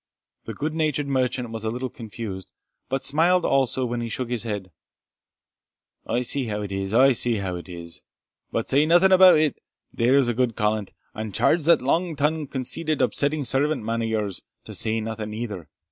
The good natured merchant was a little confused, but smiled also when he shook his head "I see how it is I see how it is. But say naething about it there's a gude callant; and charge that lang tongued, conceited, upsetting serving man o' yours, to sae naething neither.